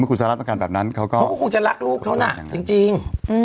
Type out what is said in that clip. คุณสหรัฐต้องการแบบนั้นเขาก็คงจะรักลูกเขาน่ะจริง